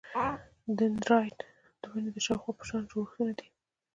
دندرایت د ونې د شاخونو په شان جوړښتونه دي.